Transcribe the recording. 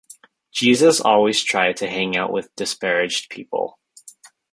Jesus always tried to hang out with disparaged people